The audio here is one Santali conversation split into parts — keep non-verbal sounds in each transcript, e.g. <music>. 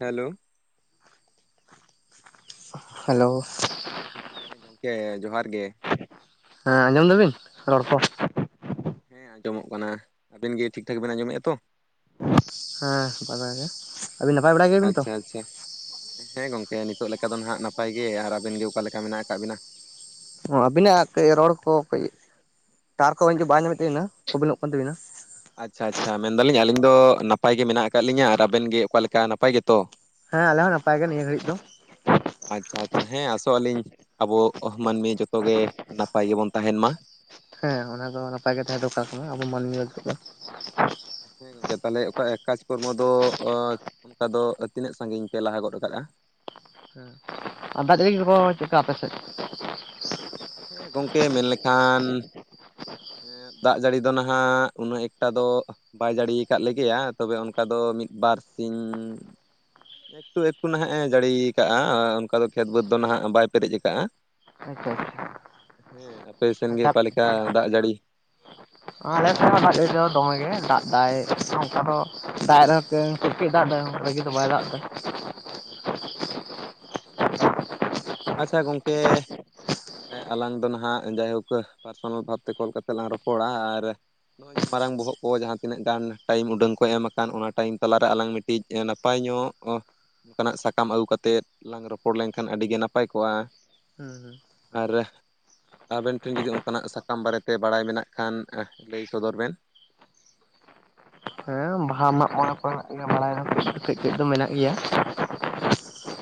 ᱦᱮᱞᱳ ᱦᱮᱞᱳ ᱦᱮᱸ ᱜᱚᱢᱠᱮ ᱡᱚᱦᱟᱨ ᱜᱮ ᱦᱮᱸ ᱟᱸᱡᱚᱢ ᱫᱟᱵᱤᱱ ᱨᱚᱲ ᱠᱚ ᱦᱮᱸ ᱟᱸᱡᱚᱢᱚᱜ ᱠᱟᱱᱟ ᱟᱵᱤᱱ ᱜᱮ ᱴᱷᱤᱠ ᱴᱷᱟᱠ ᱵᱮᱱ ᱟᱸᱡᱚᱢᱮᱫᱼᱟ ᱛᱚ ᱦᱮᱸ ᱱᱟᱯᱟᱭ ᱵᱟᱲᱟ ᱜᱮ, ᱟᱹᱵᱤᱱ ᱱᱟᱯᱟᱭ ᱵᱟᱲᱟ ᱜᱮᱭᱟᱵᱤᱱ ᱛᱚ? ᱟᱪᱪᱷᱟ ᱟᱪᱪᱷᱟ ᱦᱮᱸ ᱜᱚᱝᱠᱮ ᱱᱤᱛᱚᱜ ᱞᱮᱠᱟ ᱫᱚ ᱱᱟᱦᱟᱜ ᱱᱟᱯᱟᱭ ᱜᱮ ᱟᱨ ᱟᱵᱮᱱ ᱜᱮ ᱚᱠᱟ ᱞᱮᱠᱟ ᱢᱮᱱᱟᱜ ᱟᱠᱟᱫ ᱵᱤᱱᱟ? ᱚ ᱟᱵᱤᱱᱟᱜ ᱠᱟᱹᱡ ᱨᱚᱲ ᱠᱚ ᱠᱟᱹᱡ ᱛᱟᱨ ᱠᱚ ᱵᱟᱭ ᱧᱟᱢᱮᱫ ᱛᱟᱹᱵᱤᱱᱟ ᱠᱚᱵᱤᱱᱚᱜ ᱠᱟᱱ ᱛᱟᱹᱵᱤᱱᱟ ᱟᱪᱪᱷᱟ ᱟᱪᱪᱷᱟ ᱢᱮᱱ ᱫᱟᱞᱤᱧ ᱟᱹᱞᱤᱧ ᱫᱚ ᱱᱟᱯᱟᱭ ᱜᱮ ᱢᱮᱱᱟᱜ ᱟᱠᱟᱫ ᱞᱤᱧᱟᱹ ᱟᱨ ᱟᱵᱮᱱ ᱜᱮ ᱚᱠᱟᱞᱮᱠᱟ ᱱᱟᱯᱟᱭ ᱜᱮᱛᱚ ᱦᱮᱸ ᱟᱞᱮ ᱦᱚᱸ ᱱᱟᱯᱟᱭ ᱜᱮ ᱱᱤᱭᱟᱹ ᱜᱷᱟᱹᱲᱤᱡ ᱫᱚ। ᱟᱪᱪᱷᱟ ᱟᱪᱪᱷᱟ ᱦᱮᱸ ᱟᱥᱚᱜ ᱟᱹᱞᱤᱧ ᱟᱵᱚ ᱢᱟᱹᱱᱢᱤ ᱡᱚᱛᱚ ᱜᱮ ᱱᱟᱯᱟᱭ ᱜᱮᱵᱚᱱ ᱛᱟᱦᱮᱱ ᱢᱟ। ᱦᱮᱸ ᱚᱱᱟ ᱫᱚ ᱱᱟᱯᱟᱭ ᱜᱮ ᱛᱟᱦᱮᱸ ᱫᱚᱨᱠᱟᱨ ᱠᱟᱱᱟ ᱟᱵᱚ ᱢᱟᱹᱱᱢᱤ ᱦᱮᱸ ᱜᱚᱝᱠᱮ ᱛᱟᱞᱦᱮ ᱚᱠᱟ ᱮᱠ ᱠᱟᱡᱽ ᱠᱚᱨᱢᱚ ᱫᱚ ᱚᱸ ᱚᱱᱠᱟ ᱫᱚ ᱛᱤᱱᱟᱹᱜ ᱥᱟᱹᱜᱤᱧ ᱯᱮ ᱞᱟᱦᱟ ᱜᱚᱫ ᱟᱠᱟᱜᱼᱟ? ᱩᱸ ᱟᱫᱟ ᱫᱷᱟᱨᱤᱡ ᱵᱚᱱ ᱪᱮᱠᱟ ᱟᱯᱮ ᱥᱮᱫ? ᱦᱮᱸ ᱜᱚᱝᱠᱮ ᱢᱮᱱᱞᱮᱠᱷᱟᱱ ᱫᱟᱜ ᱡᱟᱹᱲᱤ ᱫᱚ ᱱᱟᱦᱟᱜ ᱩᱱᱟᱹᱜ ᱮᱠᱴᱟ ᱫᱚ ᱵᱟᱭ ᱡᱟᱲᱤᱭᱟᱠᱟᱫ ᱞᱮᱜᱮᱭᱟ ᱛᱚᱵᱮ ᱚᱱᱠᱟ ᱫᱚ ᱢᱤᱫ ᱵᱟᱨ ᱥᱤᱧ ᱮᱠᱴᱩ ᱮᱠᱴᱩ ᱱᱟᱦᱟᱜ ᱮ ᱡᱟᱹᱲᱤᱭᱟᱠᱟᱜᱼᱟ ᱚᱱᱠᱟ ᱫᱚ ᱠᱷᱮᱛ ᱵᱟᱹᱫᱽ ᱫᱚ ᱱᱟᱦᱟᱜ ᱵᱟᱭ ᱯᱮᱨᱮᱡ ᱟᱠᱟᱜᱼᱟ ᱟᱪᱪᱷᱟ ᱦᱮᱸ ᱟᱯᱮ ᱥᱮᱱ ᱜᱮ ᱟᱪᱪᱷᱟ ᱟᱪᱪᱷᱟ ᱚᱠᱟ ᱞᱮᱠᱟ ᱫᱟᱜ ᱡᱟᱹᱲᱤ? <unintelligible> ᱫᱚᱢᱮ ᱜᱮ ᱫᱟᱜ ᱫᱟᱭ ᱚᱱᱠᱟ ᱫᱚ ᱫᱟᱜ ᱨᱮᱦᱚ ᱠᱟᱹᱡ ᱠᱟᱹᱡ ᱫᱟᱜ ᱫᱟᱭ ᱚᱱᱠᱟᱜᱮ ᱵᱟᱭ ᱫᱟᱜ ᱫᱟ ᱟᱪᱪᱷᱟ ᱟᱪᱪᱷᱟ ᱟᱪᱪᱷᱟ ᱜᱚᱝᱠᱮ ᱦᱮᱸ ᱟᱞᱟᱝ ᱫᱚ ᱱᱟᱦᱟᱜ ᱡᱟᱭᱦᱳᱠ ᱯᱟᱨᱥᱚᱱᱟᱞ ᱵᱷᱟᱵᱛᱮ ᱠᱚᱞ ᱠᱟᱛᱮ ᱞᱟᱝ ᱨᱚᱯᱚᱲᱟ ᱟᱨ ᱱᱚᱜᱼᱚᱭ ᱡᱮ ᱢᱟᱨᱟᱝ ᱵᱚᱦᱚᱜ ᱠᱚ ᱡᱟᱦᱟᱸ ᱛᱤᱱᱟᱹᱜ ᱜᱟᱱ ᱴᱟᱭᱤᱢ ᱩᱰᱟᱹᱝ ᱠᱚ ᱮᱢ ᱟᱠᱟᱱ ᱚᱱᱟ ᱴᱟᱭᱤᱢ ᱛᱟᱞᱟᱨᱮ ᱟᱞᱟᱝ ᱢᱤᱫᱴᱮᱱ ᱠᱟᱹᱴᱤᱡ ᱱᱟᱯᱟᱭ ᱧᱚᱜ ᱚᱱᱠᱟᱱᱟᱜ ᱥᱟᱠᱟᱢ ᱟᱹᱜᱩ ᱠᱟᱛᱮᱫ ᱞᱟᱝ ᱨᱚᱯᱚᱲ ᱞᱮᱱᱠᱷᱟᱱ ᱟᱹᱰᱤᱜᱮ ᱱᱟᱯᱟᱭ ᱱᱟᱯᱟᱭ ᱠᱚᱜᱼᱟ ᱦᱩᱸ ᱟᱨ ᱟᱵᱮᱱ ᱴᱷᱮᱱ ᱡᱩᱫᱤ ᱚᱱᱠᱟᱱᱟᱜ ᱥᱟᱠᱟᱢ ᱵᱟᱨᱮᱛᱮ ᱵᱟᱲᱟᱭ ᱢᱮᱱᱟᱜ ᱠᱷᱟᱱ ᱞᱟᱹᱭ ᱥᱚᱫᱚᱨ ᱵᱮᱱ ᱦᱩᱸ ᱦᱮᱸ ᱵᱟᱦᱟ ᱢᱟᱜ ᱢᱚᱬᱮ ᱠᱚᱨᱮᱱᱟᱜ ᱜᱮ ᱵᱟᱲᱟᱭ ᱨᱮ ᱫᱚ ᱠᱟᱹᱡ ᱠᱟᱹᱡ ᱫᱚ ᱢᱮᱱᱟᱜ ᱜᱮᱭᱟ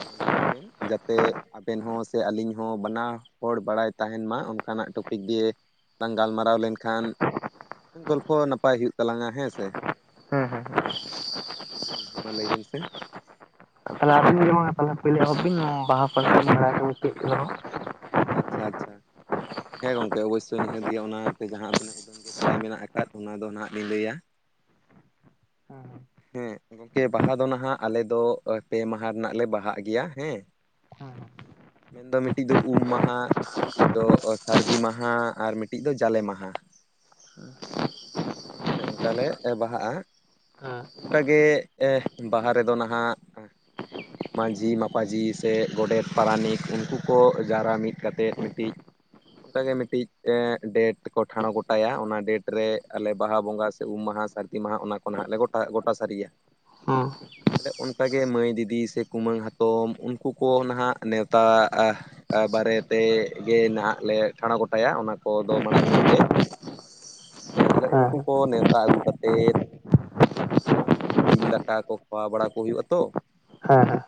ᱦᱮᱸ ᱢᱟ ᱞᱟᱹᱭ ᱵᱮᱱ ᱡᱟᱛᱮ ᱟᱵᱮᱱ ᱦᱚᱸ ᱥᱮ ᱟᱹᱞᱤᱧ ᱦᱚᱸ ᱵᱟᱱᱟ ᱦᱚᱲ ᱵᱟᱲᱟᱭ ᱛᱟᱦᱮᱱ ᱢᱟ ᱚᱱᱠᱟᱱᱟᱜ ᱴᱚᱯᱤᱠ ᱫᱤᱭᱮ ᱵᱟᱝ ᱜᱟᱞᱢᱟᱨᱟᱣ ᱞᱮᱱᱠᱷᱟᱱ ᱜᱚᱞᱯᱚ ᱱᱟᱯᱟᱭ ᱦᱩᱭᱩᱜ ᱛᱟᱞᱟᱝᱟ ᱦᱮᱸᱥᱮ? ᱦᱮᱸ ᱦᱮᱸ᱾ ᱦᱮᱸ ᱢᱟ ᱞᱟᱹᱭ ᱵᱮᱱ ᱥᱮ᱾ ᱛᱟᱦᱞᱮ ᱟᱹᱵᱤᱱ ᱜᱮ ᱢᱟ ᱛᱟᱦᱞᱮ ᱯᱳᱭᱞᱳ ᱮᱦᱚᱵ ᱵᱤᱱ ᱵᱟᱦᱟ ᱯᱚᱨᱚᱵ ᱯᱟᱞᱮᱱ ᱢᱤᱴᱟᱝ ᱨᱮᱦᱚ ᱟᱪᱪᱷᱟ ᱟᱪᱪᱷᱟ ᱦᱮᱸ ᱜᱚᱝᱠᱮ ᱚᱵᱚᱥᱥᱭ ᱱᱤᱦᱟᱹᱛ ᱜᱮᱭᱟ ᱚᱱᱟᱛᱮ ᱡᱟᱦᱟᱸ ᱛᱤᱱᱟᱹᱜ ᱩᱰᱟᱹᱝ ᱜᱮ ᱵᱟᱰᱟᱭ ᱢᱮᱱᱟᱜ ᱟᱠᱟᱫ ᱚᱱᱟᱫᱚ ᱱᱟᱦᱟᱸᱜ ᱞᱤᱧ ᱞᱟᱹᱭᱟ ᱦᱩᱸ ᱦᱩᱸ᱾ ᱦᱮᱸ ᱜᱚᱝᱠᱮ ᱵᱟᱦᱟ ᱫᱚ ᱱᱟᱦᱟᱸᱜ ᱟᱞᱮ ᱫᱚ ᱯᱮ ᱢᱟᱦᱟ ᱨᱮᱱᱟᱜ ᱞᱮ ᱵᱟᱦᱟᱜ ᱜᱮᱭᱟ ᱦᱮᱸ, ᱦᱩᱸ ᱦᱩᱸ᱾ ᱢᱮᱱᱫᱚ ᱢᱤᱫᱴᱤᱡ ᱫᱚ ᱩᱢ ᱢᱟᱦᱟ, ᱢᱤᱫᱴᱤᱡ ᱫᱚ ᱥᱟᱹᱨᱫᱤ ᱢᱟᱦᱟ ᱟᱨ ᱢᱤᱫᱴᱤᱡ ᱫᱚ ᱡᱟᱞᱮ ᱢᱟᱦᱟ᱾ ᱦᱮᱸ ᱚᱱᱮ ᱚᱝᱠᱟ ᱞᱮ ᱵᱟᱦᱟᱜᱼᱟ᱾ ᱦᱮᱸ ᱚᱱᱠᱟᱜᱮ ᱵᱟᱦᱟ ᱨᱮᱫᱚ ᱱᱟᱦᱟᱸᱜ ᱢᱟᱹᱡᱷᱤ ᱢᱟᱯᱟᱡᱷᱤ ᱥᱮ ᱜᱚᱰᱮᱛ ᱯᱟᱨᱟᱱᱤᱠ ᱩᱝᱠᱩ ᱠᱚ ᱡᱟᱣᱨᱟ ᱢᱤᱫ ᱠᱟᱛᱮᱫ ᱢᱤᱫᱴᱤᱡ ᱚᱝᱠᱟᱜᱮ ᱢᱤᱫᱴᱤᱡ ᱰᱮᱴ ᱠᱚ ᱴᱷᱟᱲᱚ ᱜᱚᱴᱟᱭᱟ ᱚᱱᱟ ᱰᱮᱴ ᱨᱮ ᱟᱞᱮ ᱵᱟᱦᱟ ᱵᱚᱸᱜᱟ ᱥᱮ ᱩᱢ ᱢᱟᱦᱟ ᱥᱟᱨ ᱫᱤ ᱢᱟᱦᱟ ᱚᱱᱟ ᱠᱚ ᱱᱟᱜ ᱞᱮ ᱜᱚᱴᱟ ᱜᱚᱴᱟ ᱥᱟᱹᱨᱤᱭᱟ᱾ ᱚ᱾ ᱛᱟᱦᱚᱞᱮ ᱚᱱᱠᱟᱜᱮ ᱢᱟᱹᱭ ᱫᱤᱫᱤ ᱥᱮ ᱠᱩᱢᱟᱹᱝ ᱦᱟᱛᱚᱢ ᱩᱱᱠᱩ ᱠᱚ ᱱᱟᱦᱟᱸᱜ ᱱᱮᱣᱛᱟ ᱟ ᱵᱟᱨᱮ ᱛᱮᱜᱮ ᱱᱟᱦᱟᱸᱜ ᱞᱮ ᱴᱷᱟᱬᱚ ᱜᱚᱴᱟᱭᱟ ᱚᱱᱟ ᱠᱚᱫᱚ ᱢᱟᱲᱟᱝ ᱧᱚᱜ ᱜᱮ᱾ ᱦᱮᱸ ᱛᱟᱦᱚᱞᱮ ᱩᱱᱠᱩ ᱦᱮᱸ ᱦᱮᱸ ᱦᱮᱸ ᱦᱮᱸ ᱦᱮᱸ ᱦᱮᱸ ᱦᱮᱸ ᱦᱮᱸ ᱦᱮᱸ ᱠᱚ ᱱᱮᱣᱛᱟ ᱟᱹᱜᱩ ᱠᱟ ᱠᱟᱛᱮ ᱢᱚᱸᱡᱛᱮ ᱡᱤᱞ ᱫᱟᱠᱟ ᱠᱚ ᱠᱷᱟᱣᱟ ᱵᱟᱲᱟ ᱠᱚ ᱦᱩᱭᱩᱜᱼᱟ ᱛᱚ, ᱦᱮᱸ ᱦᱮᱸ᱾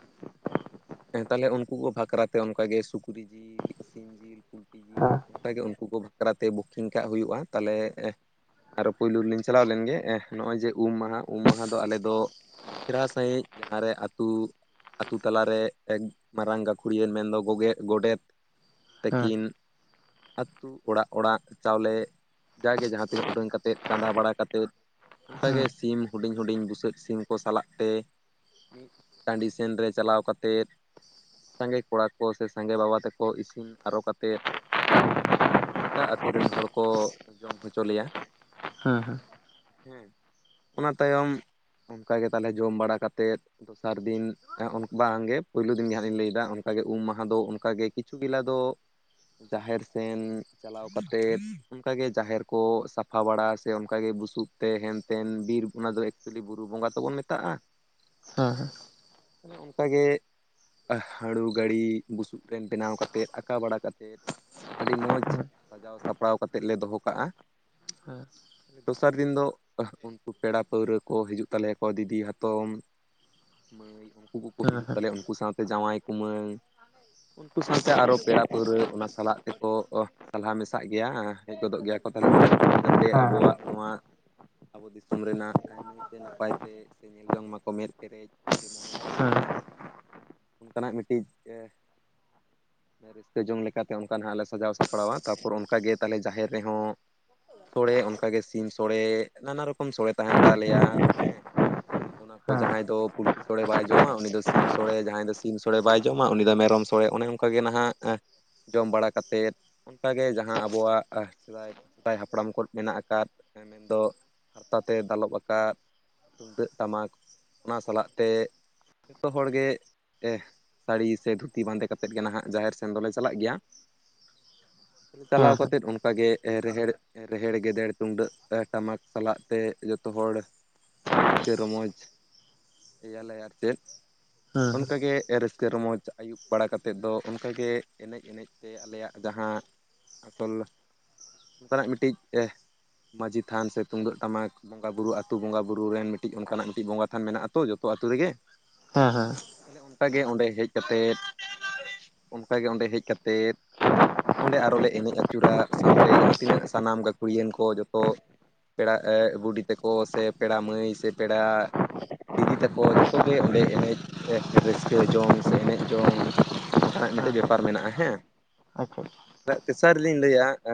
ᱦᱮᱸ ᱛᱟᱦᱞᱮ ᱩᱱᱠᱩ ᱠᱚ ᱵᱟᱠᱷᱨᱟᱛᱮ ᱚᱱᱠᱟᱜ ᱜᱮ ᱥᱩᱠᱨᱤ ᱡᱤᱞ ᱥᱤᱢ ᱡᱤᱞ ᱯᱩᱞᱴᱤ ᱡᱤᱞ ᱚᱱᱠᱟᱜᱮ ᱩᱱᱠᱩ ᱠᱚ ᱵᱟᱠᱷᱨᱟᱛᱮ ᱵᱩᱠᱤᱝ ᱠᱟᱜ ᱦᱩᱭᱩᱜᱼᱟ ᱛᱟᱞᱮ ᱟᱨᱚ ᱯᱩᱭᱞᱩ ᱨᱮᱞᱤᱧ ᱪᱟᱞᱟᱣ ᱞᱮᱱᱜᱮ ᱮᱸ ᱱᱚᱜᱼᱚᱭ ᱡᱮ ᱩᱢ ᱢᱟᱦᱟ ᱩᱢ ᱢᱟᱦᱟ ᱫᱚ ᱟᱞᱮ ᱫᱚ ᱪᱮᱨᱦᱟ ᱥᱟᱺᱦᱤᱡ ᱡᱟᱦᱟᱸᱨᱮ ᱟᱹᱛᱩ ᱟᱛᱩ ᱛᱟᱞᱟᱨᱮ ᱮᱜ ᱢᱟᱨᱟᱝ ᱜᱟᱹᱠᱷᱩᱲᱤᱭᱟᱹᱱ ᱢᱮᱱᱫᱚ ᱜᱚᱜᱮ ᱜᱚᱰᱮᱛ ᱛᱟᱹᱠᱤᱱ ᱟᱹᱛᱩ ᱚᱲᱟᱜ ᱚᱲᱟᱜ ᱪᱟᱣᱞᱮ ᱡᱟᱜᱮ ᱡᱟᱦᱟᱸ ᱛᱤᱱᱟᱹᱜ ᱩᱰᱟᱹᱝ ᱠᱟᱛᱮᱫ, ᱪᱟᱸᱫᱟ ᱵᱟᱲᱟ ᱠᱟᱛᱮᱫ, ᱚᱱᱠᱟᱜᱮ ᱦᱮᱸ ᱥᱤᱢ ᱦᱩᱰᱤᱧ ᱦᱩᱰᱤᱧ ᱵᱩᱥᱟᱹᱜ ᱥᱤᱢ ᱠᱚ ᱥᱟᱞᱟᱜ ᱛᱮ, ᱢᱤᱫ ᱴᱟᱺᱰᱤ ᱥᱮᱱ ᱨᱮ ᱪᱟᱞᱟᱣ ᱠᱟᱛᱮᱫ ᱥᱟᱸᱜᱮ ᱠᱚᱲᱟ ᱠᱚ ᱥᱮ ᱥᱟᱸᱜᱮ ᱵᱟᱵᱟ ᱛᱮᱟᱠᱚ ᱤᱥᱤᱱ ᱟᱨᱚ ᱠᱟᱛᱮᱫ ᱜᱚᱴᱟ ᱟᱛᱩ ᱨᱮᱱ ᱦᱚᱲ ᱠᱚ ᱡᱚᱢ ᱦᱚᱪᱚ ᱞᱮᱭᱟ᱾ ᱦᱮᱸ ᱦᱮᱸ᱾ ᱦᱮᱸ ᱚᱱᱟ ᱛᱟᱭᱚᱢ, ᱚᱱᱠᱟ ᱜᱮ ᱛᱟᱦᱞᱮ ᱡᱚᱢ ᱵᱟᱲᱟ ᱠᱟᱛᱮᱫ, ᱫᱚᱥᱟᱨ ᱫᱤᱱ ᱦᱮ ᱚᱱᱚ ᱵᱟᱝᱜᱮ ᱯᱩᱭᱞᱩ ᱫᱤᱱ ᱦᱟᱸᱜ ᱤᱧ ᱞᱟᱹᱭᱫᱟ ᱚᱱᱠᱟᱜᱮ ᱩᱢ ᱢᱟᱦᱟ ᱫᱚ ᱚᱱᱠᱟᱜᱮ ᱠᱤᱪᱷᱩ ᱜᱮᱞᱟ ᱫᱚ ᱡᱟᱦᱮᱨ ᱥᱮᱱ ᱪᱟᱞᱟᱣ ᱠᱟᱛᱮᱫ, ᱚᱱᱠᱟᱜᱮ ᱡᱟᱦᱮᱨ ᱠᱚ ᱥᱟᱯᱷᱟ ᱵᱟᱲᱟ ᱥᱮ ᱚᱱᱠᱟᱜ ᱜᱮ ᱵᱩᱥᱩᱵ ᱛᱮ ᱦᱮᱱᱛᱮᱱ ᱵᱤᱨ ᱚᱱᱟ ᱫᱚ ᱮᱠᱪᱩᱣᱞᱤ ᱵᱩᱨᱩ ᱵᱚᱸᱜᱟ ᱛᱵᱚᱱ ᱢᱮᱛᱟᱜᱼᱟ ᱦᱮᱸ᱾ ᱛᱟᱦᱞᱮ ᱚᱱᱠᱟᱜᱮ ᱦᱟᱹᱲᱩ, ᱜᱟᱹᱲᱤ ᱵᱩᱥᱩᱵ ᱨᱮ ᱵᱮᱱᱟᱣ ᱠᱟᱛᱮᱫ, ᱟᱠᱟᱸ ᱵᱟᱲᱟ ᱠᱟᱛᱮᱫ ᱟᱹᱰᱤ ᱢᱚᱡ ᱥᱟᱡᱟᱣ ᱥᱟᱯᱲᱟᱣ ᱠᱟᱛᱮᱫ ᱞᱮ ᱫᱚᱦᱚ ᱠᱟᱜᱼᱟ᱾ ᱫᱚᱥᱟᱨ ᱫᱤᱱ ᱫᱚ ᱩᱱᱠᱩ ᱯᱮᱲᱟ ᱯᱟᱹᱣᱨᱟᱹ ᱠᱚ ᱦᱤᱡᱩᱜ ᱛᱟᱞᱮᱭᱟᱠᱚ ᱫᱤᱫᱤ, ᱦᱟᱛᱚᱢ ᱢᱟᱹᱭ ᱩᱝᱠᱩ ᱠᱚᱠᱚ ᱦᱤᱡᱩᱜ ᱛᱟᱞᱮᱭᱟ ᱩᱱᱠᱩ ᱥᱟᱶᱛᱮ ᱡᱟᱶᱟᱭ, ᱠᱩᱢᱟᱹᱝ ᱾ ᱩᱱᱠᱩ ᱥᱟᱶᱛᱮ ᱟᱨᱚ ᱯᱮᱲᱟ ᱯᱟᱹᱨᱣᱦᱟᱹ ᱚᱱᱟ ᱥᱟᱞᱟᱜ ᱛᱮᱠᱚ ᱥᱟᱞᱦᱟ ᱢᱮᱥᱟᱜ ᱜᱮᱭᱟ ᱦᱮᱡ ᱜᱚᱫᱚᱜ ᱜᱮᱭᱟ ᱠᱚ, ᱛᱟᱦᱞᱮ ᱩᱱᱠᱩ ᱠᱚ ᱡᱟᱛᱮ ᱟᱵᱚᱣᱟᱜ ᱱᱚᱣᱟᱵᱚ ᱫᱤ ᱫᱤᱥᱚᱢ ᱨᱮᱱᱟᱜ ᱱᱟᱹᱭᱛᱮ ᱱᱟᱯᱟᱭ ᱛᱮ, ᱥᱮ ᱧᱮᱞ ᱡᱚᱝ ᱢᱟᱠᱚ ᱢᱮᱫ ᱯᱮᱨᱮᱡ, ᱥᱮ ᱢᱚᱱᱮ ᱯᱮᱨᱮᱡ ᱾ ᱚᱱᱠᱟᱱᱟᱜ ᱢᱤᱫᱴᱤᱡ ᱮ ᱨᱟᱹᱥᱠᱟᱹ ᱡᱚᱝ ᱞᱮᱠᱟᱛᱮ ᱚᱱᱠᱟ ᱱᱟᱜ ᱞᱮ ᱥᱟᱡᱟᱣ ᱥᱟᱯᱲᱟᱣᱟ, ᱛᱟᱨᱯᱚᱨ ᱚᱱᱠᱟᱜ ᱜᱮ ᱛᱟᱞᱮ ᱡᱟᱦᱮᱨ ᱨᱮᱦᱚᱸ ᱥᱚᱲᱮ ᱚᱱᱠᱟᱜᱮ ᱥᱤᱢ ᱥᱚᱲᱮ, ᱱᱟᱱᱟ ᱨᱚᱠᱚᱢ ᱥᱚᱲᱮ ᱛᱟᱸᱦᱮᱱ ᱛᱟᱞᱮᱭᱟ, ᱦᱮᱸ᱾ ᱚᱱᱟ ᱾ ᱠᱚ ᱡᱟᱦᱟᱸᱭ ᱫᱚ ᱯᱩᱞᱠᱷᱤ ᱥᱚᱲᱮ ᱵᱟᱭ ᱡᱚᱢᱟ ᱩᱱᱤ ᱫᱚ ᱥᱤᱢ ᱥᱚᱲᱮ, ᱡᱟᱦᱟᱸᱭ ᱫᱚ ᱥᱤᱢ ᱥᱚᱲᱮ ᱵᱟᱭ ᱡᱚᱢᱟ ᱩᱱᱤ ᱫᱚ ᱢᱮᱨᱚᱢ ᱥᱚᱲᱮ ᱚᱱᱮ ᱚᱸ ᱼᱼ ᱚᱱᱠᱟᱜᱮ ᱱᱟᱜ ᱮᱸᱜ ᱡᱚᱢ ᱵᱟᱲᱟ ᱠᱟᱛᱮᱫ, ᱚᱱᱠᱟᱜᱮ ᱡᱟᱦᱟᱸ ᱟᱵᱚᱣᱟᱜ <unintelligible> ᱥᱮᱫᱟᱭ ᱦᱟᱯᱲᱟᱢ ᱠᱷᱚᱡ ᱢᱮᱱᱟᱜ ᱟᱠᱟᱫ, ᱢᱮᱱᱫᱚ ᱦᱟᱨᱛᱟᱛᱮ ᱫᱟᱞᱚᱵ ᱟᱠᱟᱫ ᱛᱩᱢᱫᱟᱹᱜ ᱴᱟᱢᱟᱠ, ᱚᱱᱟ ᱥᱟᱞᱟᱜ ᱛᱮ, ᱡᱚᱛᱚ ᱦᱚᱲᱜᱮ ᱮᱜ ᱥᱟᱹᱲᱤ ᱥᱮ ᱫᱷᱩᱛᱤ ᱵᱟᱸᱫᱮ ᱠᱟᱛᱮᱜ ᱜᱮ ᱱᱟᱜ ᱡᱟᱦᱮᱨ ᱥᱮᱱ ᱫᱚᱞᱮ ᱪᱟᱞᱟᱜ ᱜᱮᱭᱟ ᱾ ᱪᱟᱞᱟᱣ ᱠᱟᱛᱮᱫ ᱚᱱᱠᱟᱜᱮ, ᱨᱮᱦᱮᱲ ᱨᱮᱫᱮᱲ, ᱜᱮᱫᱮᱲ ᱛᱩᱢᱫᱟᱹᱜ, ᱴᱟᱢᱟᱠ ᱥᱟᱞᱟᱜ ᱛᱮ ᱡᱚᱛᱚ ᱦᱚᱲ ᱨᱟᱹᱥᱠᱟᱹ ᱨᱚᱢᱚᱡᱽ ᱮᱭᱟᱞᱮ ᱟᱨ ᱪᱮᱫ, ᱚᱱᱠᱟ ᱜᱮ ᱨᱟᱹᱥᱠᱟᱹ ᱨᱚᱢᱚᱡᱽ ᱟᱹᱭᱩᱵ ᱵᱟᱲᱟ ᱠᱟᱛᱮᱫ ᱫᱚ ᱚᱱᱠᱟᱜᱮ, ᱮᱱᱮᱡ, ᱮᱱᱮᱡ ᱛᱮ ᱟᱞᱮᱭᱟᱜ ᱡᱟᱦᱟᱸ ᱟᱥᱚᱞ ᱚᱝᱠᱟᱱᱟᱜ ᱢᱤᱫᱴᱤᱡ, ᱢᱟᱹᱡᱷᱤ ᱛᱷᱟᱱ ᱥᱮ ᱛᱩᱢᱫᱟᱹᱜ ᱴᱟᱢᱟᱠ ᱵᱚᱸᱜᱟ ᱵᱩᱨᱩ ᱟᱛᱩ ᱵᱚᱸᱜᱟ ᱵᱩᱨᱩ ᱨᱮ ᱢᱤᱫᱴᱤᱡ ᱚᱱᱠᱟᱱᱟᱜ ᱢᱤᱫᱴᱤᱡ ᱵᱚᱸᱜᱟ ᱛᱷᱟᱱ ᱢᱮᱱᱟᱜᱼᱟ ᱛᱚ, ᱡᱚᱛᱚ ᱟᱛᱩ ᱨᱮᱜᱮ ᱾ ᱦᱟᱸ ᱦᱟᱸ ᱾ ᱚᱱᱮ ᱚᱱᱠᱟᱜᱮ ᱚᱸᱰᱮ ᱦᱮᱡ ᱠᱟᱛᱮᱫ, ᱚᱱᱠᱟᱜᱮ ᱚᱸᱰᱮ ᱦᱮᱡ ᱠᱟᱛᱮᱫ ᱚᱸᱰᱮ ᱟᱨᱚᱞᱮ ᱮᱱᱮᱡ ᱟᱹᱪᱩᱨᱟ, ᱥᱟᱶᱛᱮ ᱡᱟᱦᱟᱸ ᱛᱤᱱᱟᱹᱜ ᱥᱟᱱᱟᱢ ᱜᱟᱹᱠᱷᱩᱲᱤᱭᱟᱱ ᱠᱚ ᱡᱚᱛᱚ ᱯᱮᱲᱟ ᱮᱜ ᱵᱩᱰᱷᱤ ᱛᱮᱠᱚ ᱥᱮ ᱯᱮᱲᱟ ᱢᱟᱹᱭ ᱥᱮ ᱯᱮᱲᱟ ᱫᱤᱫᱤ ᱛᱮᱠᱚ ᱡᱚᱛᱚᱜᱮ ᱚᱸᱰᱮ ᱮᱱᱮᱡ ᱥᱮ ᱨᱟᱹᱥᱠᱟᱹ ᱡᱚᱝ ᱥᱮ ᱮᱱᱮᱡ ᱡᱚᱝ ᱚᱱᱠᱟᱱᱟᱜ ᱢᱤᱫᱴᱟᱹᱡ ᱵᱮᱯᱟᱨ ᱢᱮᱱᱟᱜᱼᱟ ᱦᱮᱸ᱾ ᱟᱪᱪᱷᱟᱼᱼ ᱛᱮᱥᱟᱨ ᱞᱤᱧ ᱞᱟᱹᱭᱟ, ᱮ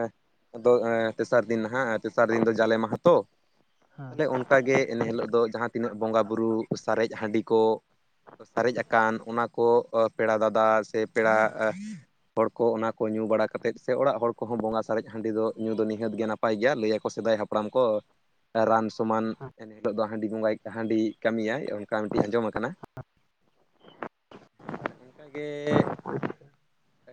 ᱟᱫᱚ ᱛᱮᱥᱟᱨ ᱫᱤᱱ ᱱᱟᱦᱟᱜ ᱛᱮᱥᱟᱨ ᱫᱤᱱ ᱫᱚ ᱡᱟᱞᱮ ᱢᱟᱦᱟ ᱛᱚ <unintelligible> ᱟᱪᱪᱷᱟ ᱛᱟᱦᱚᱞᱮ ᱚᱱᱠᱟᱜᱮ ᱮᱱ ᱦᱤᱞᱚᱜ ᱫᱚ ᱡᱟᱦᱟᱸ ᱛᱤᱱᱟᱹᱜ ᱵᱚᱸᱜᱟᱼᱵᱩᱨᱩ, ᱥᱟᱨᱮᱡ ᱦᱟᱺᱰᱤ ᱠᱚ ᱥᱟᱨᱮᱡ ᱟᱠᱟᱱ ᱚᱱᱟ ᱠᱚ, ᱯᱮᱲᱟ ᱫᱟᱫᱟ ᱥᱮ ᱯᱮᱲᱟ ᱮᱜ ᱦᱚᱲ ᱠᱚ ᱚᱱᱟ ᱠᱚ ᱧᱩ ᱵᱟᱲᱟ ᱠᱟᱛᱮᱫ, ᱥᱮ ᱚᱲᱟᱜ ᱦᱚᱲ ᱠᱚᱦᱚᱸ ᱵᱚᱸᱜᱟ ᱥᱟᱨᱮᱡ ᱦᱟᱺᱰᱤ ᱫᱚ ᱧᱩ ᱫᱚ ᱱᱤᱦᱟᱹᱛ ᱜᱮ ᱱᱟᱯ ᱯᱟᱭ ᱜᱮᱭᱟ, ᱞᱟᱹᱭᱟᱠᱚ ᱥᱮᱫᱟᱭ ᱦᱟᱯᱲᱟᱢ ᱠᱚ ᱨᱟᱱ ᱥᱚᱢᱟᱱ ᱮᱱ ᱦᱤᱞᱳᱜ ᱫᱚ ᱦᱟᱺᱰᱤ <inaudible> ᱵᱚᱸᱜᱟᱭ ᱦᱟᱺᱰᱤ ᱠᱟᱹᱢᱤᱭᱟᱭ ᱚᱱᱠᱟ ᱢᱤᱫᱴᱤᱡ ᱟᱸᱡᱚᱢ ᱟᱠᱟᱱᱟ ᱾ ᱦᱮᱸ ᱛᱟᱦᱚᱞᱮ ᱚᱱᱠᱟᱜᱮ <unintelligible> ᱻ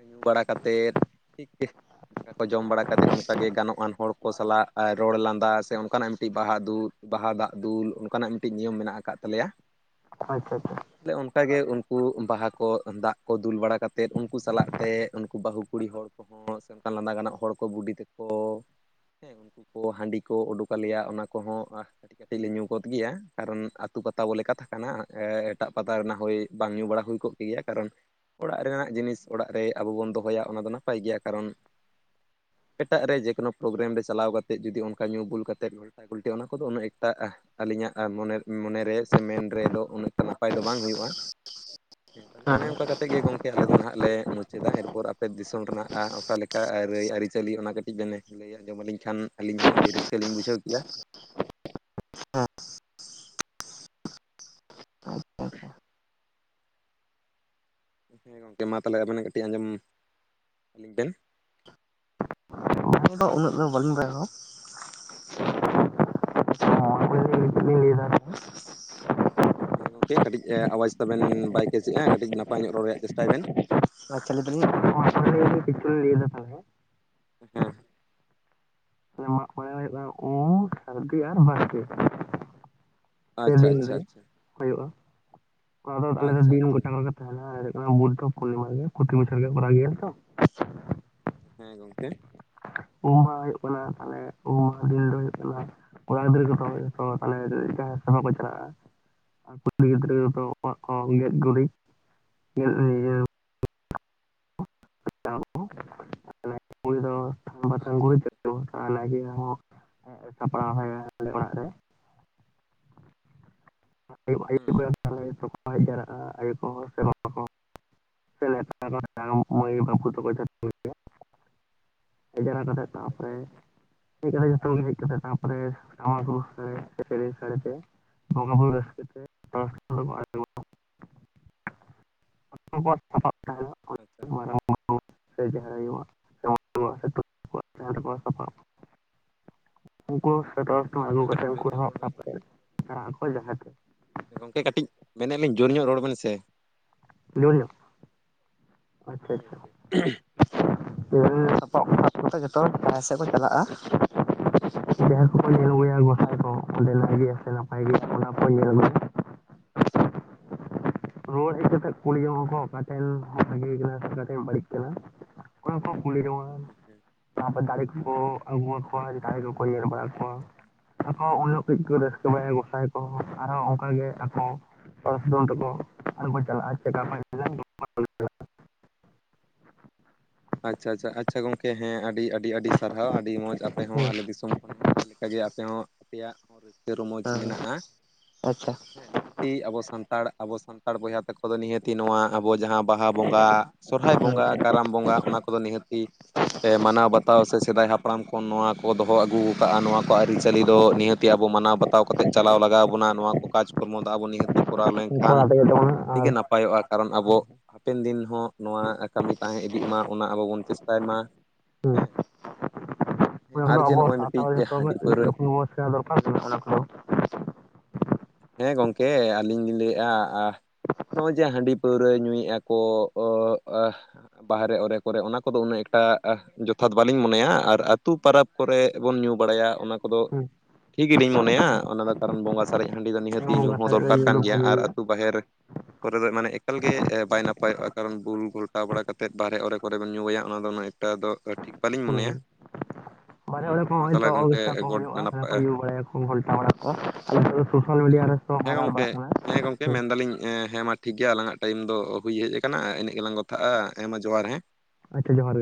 ᱧᱩ ᱵᱟᱲᱟ ᱠᱟᱛᱮᱫ ᱴᱷᱤᱠ <unintelligible> ᱠᱚ ᱡᱚᱢ ᱵᱟᱲᱟ ᱠᱟᱛᱮ ᱚᱱᱠᱟᱟᱜᱮ ᱜᱟᱱᱚᱜᱼᱟᱱ ᱦᱚᱲ ᱠᱚ ᱥᱟᱞᱟᱜ ᱨᱚᱲ ᱞᱟᱱᱼᱼ ᱵᱟᱦᱟ ᱥᱮ ᱚᱱᱠᱟᱱᱟᱜ ᱢᱤᱫᱴᱤᱡ ᱵᱟᱦᱟ ᱫᱩᱞ, ᱵᱟᱦᱟ ᱫᱟᱜ ᱫᱩᱞ ᱚᱱᱠᱟᱱᱟᱜ ᱢᱤᱫᱴᱤᱡ ᱱᱤᱭᱚᱢ ᱢᱮᱱᱟᱜ ᱟᱠᱟᱫ ᱛᱟᱞᱮᱭᱟ ᱾ ᱟᱪᱪᱷᱟ ᱟᱪᱪᱷᱟ ᱾ ᱮ ᱚᱱᱠᱟ ᱜᱮ ᱩᱱᱠᱩ ᱵᱟᱦᱟ ᱠᱚ ᱫᱟᱜ ᱠᱚ ᱫᱩᱞ ᱵᱟᱲᱟ ᱠᱟᱛᱮᱫ ᱩᱱᱠᱩ ᱥᱟᱞᱟᱜ ᱛᱮ, ᱩᱱᱠᱩ ᱵᱟᱹᱦᱩ ᱠᱩᱲᱤ ᱦᱚᱲ ᱠᱚᱼᱼ ᱥᱮ ᱚᱱᱠᱟ ᱞᱟᱸᱫᱟ ᱜᱟᱱᱚᱜ ᱦᱚᱲ ᱠᱚ, ᱵᱩᱰᱤ ᱛᱮᱠᱚ, ᱦᱮᱸ ᱩᱱᱠᱩ ᱠᱚ ᱦᱟᱺᱰᱤᱼᱼ ᱠᱚ ᱚᱰᱚᱠ ᱟᱞᱮᱭᱟ ᱚᱱᱟ ᱠᱚ ᱦᱚᱸ ᱦᱟᱸᱜᱼᱼ ᱠᱟᱹᱴᱤᱡ ᱞᱮ ᱧᱩ ᱜᱚᱫ ᱜᱮᱭᱟ, ᱠᱟᱨᱚᱱ ᱟᱛᱩ ᱯᱟᱛᱟ ᱵᱚᱞᱮ ᱠᱟᱛᱷᱟ ᱠᱟᱱᱟ ᱮᱴᱟᱜ ᱯᱟᱛᱟ ᱨᱮᱱᱟᱜ ᱦᱳᱭ ᱵᱟᱝ ᱧᱩ ᱵᱟᱲᱟ ᱦᱩᱭ ᱠᱚᱜᱼᱼ ᱜᱮᱭᱟ, ᱠᱟᱨᱚᱱ ᱚᱲᱟᱜ ᱨᱮᱱᱟᱜ ᱡᱤᱱᱤᱥ ᱚᱲᱟᱜ ᱨᱮ ᱟᱵᱚ ᱵᱚᱱ ᱫᱚᱦᱚᱭᱟ ᱚᱱᱟ ᱫᱚ ᱱᱟᱯᱟᱭ ᱜᱮᱭᱟ, ᱠᱟᱨᱚᱱᱼᱼ ᱮᱴᱟᱜ ᱨᱮ ᱡᱮᱠᱳᱱᱳ ᱯᱨᱳᱜᱨᱟᱢ ᱨᱮ ᱪᱟᱞᱟᱣ ᱠᱟᱛᱮᱫ ᱡᱩᱫᱤ ᱚᱱᱠᱟ ᱧᱩ ᱵᱩᱞ ᱠᱟᱛᱮᱫᱼᱼ ᱜᱩᱞᱴᱤ ᱚᱱᱟ ᱠᱚᱫᱚ ᱩᱱᱟᱹᱜ ᱮᱠᱛᱟ ᱟᱹᱞᱤᱧᱟᱜ ᱢᱚᱱᱮ, ᱢᱚᱱᱮ ᱨᱮ ᱥᱮ ᱢᱮᱱ ᱨᱮᱫᱚ ᱩᱱᱟᱹᱜᱼᱼ ᱱᱟᱯᱟᱭ ᱫᱚ ᱵᱟᱝ ᱦᱩᱭᱩᱜᱼᱟ, ᱦᱮᱸ ᱚᱱᱮ ᱚᱱᱠᱟ ᱠᱟᱛᱷᱟ ᱾ ᱟᱱᱛᱮᱫ ᱜᱮ ᱜᱚᱢᱠᱮ ᱟᱞᱮ ᱫᱚ ᱱᱟᱦᱟᱜ ᱞᱮ ᱢᱩᱪᱟᱹᱫᱟ ᱮᱨᱯᱚᱨ ᱟᱯᱮ ᱫᱤᱥᱚᱢ ᱨᱮᱱᱟᱜ ᱚ ᱚᱠᱟ ᱞᱮᱠᱟ ᱟ ᱟᱹᱨᱤᱪᱟᱹᱞᱤ ᱚᱱᱟ ᱠᱟᱹᱴᱤᱡ ᱵᱤᱱᱼᱼ ᱞᱟᱹᱭ ᱟᱸᱡᱚᱢ ᱟᱹᱞᱤᱧ ᱠᱷᱟᱱ ᱟᱹᱞᱤᱧ ᱦᱚᱸ ᱟᱹᱰᱤ ᱨᱟᱹᱥᱠᱟᱹ ᱞᱤᱧ ᱵᱩᱡᱷᱟᱹᱣ ᱠᱮᱭᱟ ᱾ <inaudible> ᱦᱮᱸ ᱜᱚᱝᱠᱮ ᱢᱟ ᱛᱟᱦᱚᱞᱮ ᱟᱵᱮᱱᱟᱜ ᱠᱟᱹᱴᱤᱡ ᱟᱸᱡᱚᱢ ᱟᱹᱞᱤᱧ ᱵᱮᱱ <unintelligible> <unintelligible> ᱦᱮᱸ ᱜᱚᱝᱠᱮ ᱠᱟᱹᱴᱤᱡ ᱟᱣᱟᱡᱽ ᱛᱟᱵᱮᱱ ᱵᱟᱭ ᱠᱮᱪ ᱮᱜ-ᱟ ᱠᱟᱹᱴᱤᱡ ᱱᱟᱯᱟᱭ ᱧᱚᱜ ᱨᱚᱲ ᱨᱮᱭᱟᱜ ᱪᱮᱥᱴᱟᱭ ᱵᱮᱱ᱾ <unintelligible> ᱦᱮᱸ ᱢᱟᱜ ᱢᱚᱬᱮ ᱦᱩᱭᱩᱜ ᱠᱟᱱᱟ ᱚᱢ ᱥᱟᱹᱨᱫᱤ ᱟᱨ ᱵᱟᱥᱠᱮ᱾ ᱟᱪᱪᱷᱟ ᱟᱪᱪᱷᱟ ᱟᱪᱪᱷᱟ ᱦᱳᱭᱳᱜ-ᱟ ᱚᱱᱟ ᱫᱚ ᱟᱞᱮ ᱫᱚ ᱟᱪᱪᱷᱟ ᱫᱤᱱ ᱟᱪᱪᱷᱟ ᱜᱚᱴᱟ ᱠᱚᱜ ᱜᱮ ᱛᱟᱦᱮᱱᱟ ᱟᱨ ᱦᱩᱭᱩᱜ ᱠᱟᱱᱟ ᱵᱩᱫᱫᱷ ᱯᱩᱨᱱᱤᱢᱟ ᱨᱮᱜᱮ ᱯᱨᱚᱛᱤ ᱵᱚᱪᱚᱨ ᱜᱮ ᱞᱮ ᱠᱚᱨᱟᱣ ᱜᱮᱭᱟ ᱛᱚ, ᱦᱮᱸ ᱜᱚᱝᱠᱮ ᱩᱢ ᱢᱟᱦᱟ ᱦᱩᱭᱩᱜ ᱠᱟᱱᱟ ᱛᱟᱦᱚᱞᱮ ᱩᱢ ᱢᱟᱦᱟ ᱫᱤᱱ ᱫᱚ ᱦᱩᱭᱩᱜ ᱠᱟᱱᱟ ᱠᱚᱲᱟ ᱜᱤᱫᱽᱨᱟᱹ ᱠᱚ ᱫᱚᱦᱚᱭᱮᱫ ᱠᱚ ᱛᱟᱦᱚᱞᱮ <unintelligible> ᱪᱟᱞᱟᱜᱼᱟ ᱟᱨ ᱠᱩᱲᱤ ᱜᱤᱫᱽᱨᱟᱹ ᱠᱚ ᱫᱚ ᱚᱲᱟᱜ ᱠᱚ ᱜᱮᱡ ᱜᱩᱨᱤᱡ ᱜᱮᱫ ᱤᱭᱟᱹ ᱟᱪᱪᱷᱟ ᱟᱪᱪᱷᱟ <unintelligible> ᱟᱨ ᱱᱟᱭᱠᱮ ᱦᱚᱸ ᱥᱟᱯᱲᱟᱣ ᱠᱟᱭᱟᱞᱮ ᱚᱲᱟᱜ ᱨᱮ᱾ ᱟᱭᱩ ᱦᱩᱸ <unintelligible> ᱛᱟᱦᱚᱞᱮ ᱛᱚᱯᱚ ᱦᱮᱡ ᱡᱟᱣᱨᱟᱜ ᱟ ᱟᱭᱩ ᱠᱚᱦᱚᱸ ᱥᱮ ᱵᱟᱵᱟ ᱠᱚᱦᱚᱸ <unintelligible> ᱢᱟᱹᱭ ᱵᱟᱵᱩ ᱛᱟᱠᱚ ᱡᱷᱚᱛᱚ ᱜᱮ ᱦᱮᱡ ᱡᱟᱣᱨᱟᱜ ᱠᱟᱛᱮᱜ ᱛᱟ ᱟᱪᱪᱷᱟ ᱯᱚᱨᱮ ᱟᱪᱪᱷᱟ ᱦᱮᱡ ᱠᱟᱛᱮ ᱡᱚᱛᱚᱜᱮ ᱦᱮᱡ ᱠᱟᱛᱮ ᱛᱟᱯᱚᱨᱮ ᱴᱟᱢᱟᱠ ᱨᱩ ᱥᱮ ᱥᱮᱨᱮᱧ ᱥᱟᱰᱮ ᱛᱮ ᱥᱟᱱᱟᱢ ᱦᱚᱲ ᱨᱟᱹᱥᱠᱟᱹ ᱛᱮ <unintelligible> ᱡᱷᱚᱛᱚ ᱠᱚᱣᱟᱜ ᱥᱟᱯᱟᱵ ᱛᱟᱦᱮᱱᱟ ᱦᱟᱸᱜ᱾ ᱟᱪᱪᱷᱟ <unintelligible> ᱥᱮ ᱡᱟᱦᱮᱨ ᱟᱭᱩ ᱟᱜ <unintelligible> ᱛᱟᱦᱮᱱ ᱛᱟᱠᱚᱣᱟ ᱥᱟᱯᱟᱵ᱾ ᱩᱱᱠᱩ ᱦᱮᱸ <unintelligible> ᱟᱹᱜᱩ ᱜᱚᱝᱠᱮ ᱠᱟᱹᱴᱤᱡ ᱠᱟᱛᱮᱫ ᱡᱳᱨ ᱩᱱᱠᱚ ᱧᱚᱜ ᱦᱚᱸ ᱨᱚᱲ <unintelligible> ᱵᱮᱱ ᱠᱟᱛᱮ ᱥᱮ ᱪᱟᱞᱟᱜ ᱟᱠᱚ ᱡᱟᱦᱮᱨ ᱛᱮ᱾ ᱜᱚᱝᱠᱮ ᱠᱟᱹᱴᱤᱡ ᱢᱮᱱᱮᱫ ᱟᱞᱤᱧ ᱡᱳᱨ ᱧᱚᱜ ᱨᱚᱲ ᱵᱮᱱ ᱥᱮ ᱡᱳᱨ ᱧᱚᱜ ᱟᱪᱪᱷᱟ ᱦᱮᱸ ᱜᱚᱝᱠᱮ ᱦᱮᱸ ᱟᱪᱪᱷᱟ <unintelligible> <unintelligible> ᱨᱩᱣᱟᱹᱲ ᱦᱮᱡ ᱠᱟᱛᱮᱫ ᱠᱩᱞᱤ ᱡᱚᱝᱟ ᱠᱚ ᱚᱠᱟ ᱴᱷᱮᱱ ᱦᱚᱸ ᱵᱷᱟᱜᱮᱭ ᱠᱟᱱᱟ ᱥᱮ ᱚᱠᱟᱴᱷᱮᱱ ᱵᱟᱹᱲᱤᱡ ᱠᱟᱱᱟ, ᱛᱚᱠᱷᱚᱱ ᱠᱚ ᱠᱩᱞᱤ ᱡᱚᱝ-ᱟ᱾ ᱟᱪᱪᱷᱟ ᱛᱟᱨᱯᱚᱨ ᱫᱟᱲᱮ ᱠᱚ ᱠᱚ ᱟᱸᱜᱣᱟ ᱠᱚᱣᱟ ᱫᱟᱲᱮ ᱠᱚᱠᱚ ᱧᱮᱞ ᱵᱟᱲᱟ ᱠᱚᱣᱟ᱾ ᱟᱠᱚ ᱩᱱ ᱞᱳᱜ ᱠᱟᱹᱡ ᱠᱚ ᱨᱟᱹᱥᱠᱟᱹ ᱵᱟᱲᱟᱭᱟ ᱜᱚᱸᱥᱟᱭ ᱠᱚᱦᱚᱸ ᱟᱨᱦᱚ ᱚᱱᱠᱟᱜᱮ ᱟᱠᱚ <unintelligible> ᱟᱪᱪᱷᱟ ᱟᱪᱪᱷᱟ ᱟᱪᱪᱷᱟ ᱜᱚᱝᱠᱮ ᱦᱮᱸ ᱟᱹᱰᱤ ᱟᱹᱰᱤ ᱥᱟᱨᱦᱟᱣ ᱟᱹᱰᱤ ᱢᱚᱡᱽ ᱟᱯᱮ ᱦᱚᱸ ᱟᱞᱮ ᱫᱤᱥᱚᱢ ᱮᱠᱷᱚᱱ ᱦᱚᱸ ᱟᱞᱮ ᱞᱮᱠᱟᱜᱮ ᱟᱯᱮ ᱦᱚᱸ ᱟᱯᱮᱭᱟᱜ ᱦᱚᱸ ᱨᱟᱹᱥᱠᱟᱹ ᱨᱚᱢᱚᱡᱽ ᱢᱮᱱᱟᱜ-ᱟ᱾ ᱦᱮᱸ ᱱᱤᱦᱟᱹᱛᱤ ᱟᱵᱚ ᱥᱟᱱᱛᱟᱲ ᱟᱵᱚ ᱥᱟᱱᱛᱟᱲ ᱵᱚᱭᱦᱟ ᱛᱟᱠᱚ ᱫᱚ ᱱᱤᱦᱟᱹᱛᱤ ᱱᱚᱣᱟ ᱟᱵᱚ ᱡᱟᱦᱟᱸ ᱵᱟᱦᱟ ᱵᱚᱸᱜᱟ ᱥᱚᱨᱦᱟᱭ ᱵᱚᱸᱜᱟ ᱠᱟᱨᱟᱢ ᱵᱚᱸᱜᱟ ᱚᱱᱟ ᱠᱚᱫᱚ ᱱᱤᱦᱟᱹᱛᱤ ᱯᱮ ᱢᱟᱱᱟᱣ ᱵᱟᱛᱟᱣ ᱥᱮ ᱥᱮᱫᱟᱭ ᱦᱟᱯᱲᱟᱢ ᱠᱷᱚᱱ ᱱᱚᱣᱟ ᱠᱚ ᱫᱚᱦᱚ ᱟᱹᱜᱩᱣ ᱠᱟᱜ-ᱟ ᱱᱚᱣᱟ ᱠᱚ ᱟᱹᱨᱤᱪᱟᱹᱞᱤ ᱫᱚ ᱱᱤᱦᱟᱹᱛ ᱛᱮ ᱟᱵᱚ ᱢᱟᱱᱟᱣ ᱵᱟᱛᱟᱣ ᱠᱟᱛᱮᱫ ᱪᱟᱞᱟᱣ ᱞᱟᱜᱟᱣ ᱵᱚᱱᱟ ᱱᱚᱣᱟ ᱠᱚ ᱠᱟᱡᱽ ᱠᱚᱨᱢᱚ ᱫᱟ ᱵᱚ ᱱᱤᱦᱟᱹᱛᱤ ᱠᱚᱨᱟᱣ ᱩᱱᱠᱩ ᱞᱮᱝᱠᱷᱟᱱ ᱚᱱᱟ ᱛᱮᱜᱮ ᱛᱟᱵᱚᱱᱟ ᱟᱨ ᱟᱹᱰᱤᱜᱮ ᱱᱟᱯ ᱯᱟᱭᱚᱜ-ᱟ ᱠᱟᱨᱚᱱ ᱟᱵᱚ ᱦᱟᱯᱮᱱ ᱫᱤᱱ ᱦᱚᱸ ᱱᱚᱣᱟ ᱠᱟᱹᱢᱤ ᱛᱟᱦᱮᱸ ᱤᱫᱤᱜ ᱢᱟ᱾ ᱚᱱᱟ ᱟᱵᱚ ᱵᱚᱱ ᱪᱮᱥᱴᱟᱭ ᱢᱟ, ᱦᱮᱸ ᱾ <unintelligible> ᱟᱵᱚ ᱥᱟᱶᱛᱟ ᱢᱤᱫᱴᱤᱡ ᱨᱮ ᱦᱟᱺᱰᱤ ᱡᱷᱚᱛᱚ ᱯᱟᱹᱣᱨᱟᱹ <unintelligible> ᱫᱚᱨᱠᱟᱨ ᱠᱟᱱᱟ ᱚᱱᱟ ᱠᱚ ᱾ ᱦᱮᱸ ᱜᱚᱢᱠᱮ ᱟᱹᱞᱤᱧ ᱞᱤᱧ ᱞᱟᱹᱭᱮᱜᱼᱟ ᱟ ᱱᱚᱸᱜᱼᱚᱭ ᱡᱮ ᱦᱟᱺᱰᱤ ᱯᱟᱹᱣᱨᱟᱹ ᱧᱩᱭᱮᱫ ᱟᱠᱟ <unintelligible> ᱵᱟᱦᱨᱮ ᱚᱨᱮ ᱠᱚᱨᱮ ᱚᱱᱟ ᱠᱚᱫᱚ ᱩᱱᱟᱹᱜ ᱮᱠᱴᱟ ᱡᱚᱛᱷᱟᱛ ᱵᱟᱞᱤᱧ ᱢᱚᱱᱮᱭᱟ, ᱟᱨ ᱟᱹᱛᱩ ᱯᱟᱨᱟᱵᱽ ᱠᱚᱨᱮ ᱵᱚᱱ ᱧᱩ ᱵᱟᱲᱟᱭᱟ ᱚᱱᱟ ᱠᱚᱫᱚ ᱴᱷᱤᱠ ᱜᱮᱞᱤᱧ ᱢᱚᱱᱮᱭᱟ, ᱚᱱᱟ ᱫᱚ ᱠᱟᱨᱚᱱ ᱵᱚᱸᱜᱟ ᱥᱟᱨᱮᱡ ᱦᱟᱺᱰᱤ ᱫᱚ ᱱᱤᱦᱟᱹᱛᱤ ᱦᱮᱸ ᱧᱩ ᱵᱚᱸᱜᱟ ᱦᱚᱸ ᱥᱟᱨᱮᱡ ᱨᱮ ᱫᱚᱨᱠᱟᱨ ᱤᱭᱟᱹ ᱠᱟᱱ ᱫᱚ ᱜᱮᱭᱟ, ᱵᱷᱟᱜᱮ ᱟᱨ ᱟᱹᱛᱩ ᱵᱟᱦᱮᱨ ᱠᱚᱨᱮ ᱫᱚ ᱢᱟᱱᱮ ᱮᱠᱟᱞ ᱜᱮ ᱵᱟᱭ ᱱᱟᱯᱟᱭᱚᱜᱼᱟ, ᱠᱟᱨᱚᱱ ᱵᱩᱞ ᱜᱷᱚᱴᱟᱣ ᱵᱟᱲᱟ ᱠᱟᱛᱮᱫ ᱵᱟᱨᱦᱮ ᱚᱨᱮ ᱠᱚᱨᱮ ᱵᱚᱱ ᱧᱩᱭᱟ ᱚᱱᱟ ᱫᱚ ᱴᱟ ᱫᱚ ᱴᱷᱤᱠ ᱵᱟᱹᱞᱤᱧ ᱢᱚᱱᱮᱭᱟ᱾ ᱦᱮᱸ ᱢᱟ ᱡᱚᱛᱚ ᱛᱟᱦᱚᱞᱮ ᱦᱚᱲ ᱜᱚᱝᱠᱮ ᱢᱮᱛᱟ ᱠᱚ ᱜᱚᱰ ᱦᱩᱭᱩᱜᱼᱟ ᱡᱟᱦᱟᱸᱭ ᱠᱚ ᱱᱟᱯᱟᱭ ᱧᱩ ᱵᱟᱲᱟᱭᱟ ᱠᱚ ᱾ ᱜᱷᱚᱞᱴᱟ ᱵᱟᱲᱟ ᱠᱚᱜᱼᱟ ᱟᱞᱮ ᱥᱮᱫ ᱫᱚ ᱥᱳᱥᱟᱞ ᱢᱤᱰᱤᱭᱟ ᱨᱮ ᱠᱚ ᱵᱷᱟᱭᱨᱟᱞ ᱵᱟᱲᱟᱜ ᱠᱟᱱᱟ᱾ ᱠᱮ ᱦᱮᱸ ᱢᱮᱱ ᱫᱟᱞᱤᱧ ᱦᱮᱸ ᱢᱟ ᱴᱷᱤᱠ ᱜᱮᱭᱟ ᱟᱞᱟᱝᱼᱟᱜ ᱴᱟᱭᱤᱢ ᱫᱚ ᱦᱩᱭ ᱦᱮᱡ ᱟᱠᱟᱱᱟ ᱤᱱᱟᱹᱜ ᱜᱮᱞᱟᱝ ᱠᱟᱛᱷᱟᱜᱼᱟ, ᱦᱮᱸ ᱢᱟ ᱡᱚᱦᱟᱨ ᱦᱮᱸ᱾ ᱟᱪᱪᱷᱟ ᱡᱚᱦᱟᱨ ᱜᱮ ᱢᱟ᱾